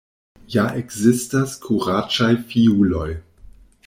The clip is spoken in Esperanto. Ja ekzistas kuraĝaj fiuloj!